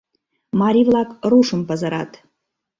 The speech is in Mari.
— Марий-влак рушым пызырат.